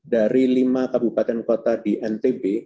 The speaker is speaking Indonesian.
dari lima kabupaten kota di ntb